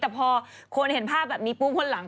แต่พอคนเห็นภาพแบบนี้ปุ๊บคนหลัง